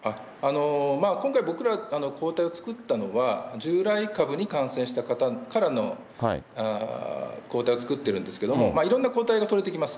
今回、僕ら、抗体を作ったのは、従来株に感染した方からの抗体を作ってるんですけども、いろんな抗体が取れてきます。